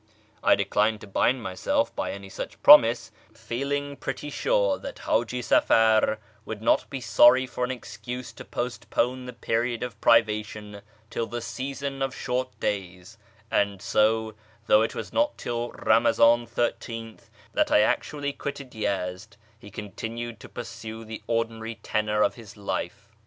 I declined to bind myself by any such promise (feeling pretty sure that Haji Safar would not be sorry for an excuse to postpone the period of privation till the season of short days), and so, though it was not till Eamazan 13th that I actually quitted Yezd, he continued to pursue the ordinary tenor of his life.